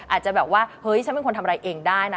อาจจะแบบว่าเฮ้ยฉันเป็นคนทำอะไรเองได้นะ